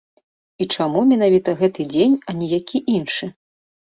І чаму менавіта гэты дзень, а не які іншы?